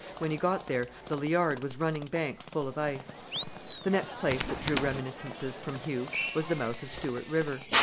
When he got there the Liard was running bank full of ice." The next place that drew reminiscences from Hugh was the mouth of Stewart River.